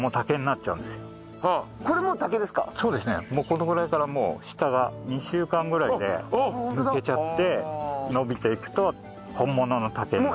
このぐらいからもう下が２週間ぐらいでむけちゃって伸びていくと本物の竹に。